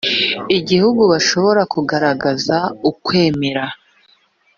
igihugu bashobora kugaragaza ukwemera